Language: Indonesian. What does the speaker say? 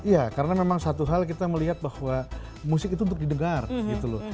iya karena memang satu hal kita melihat bahwa musik itu untuk didengar gitu loh